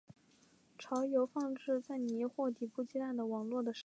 巢由放置在泥或底部鸡蛋的网络的沙覆盖。